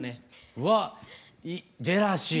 うわジェラシー。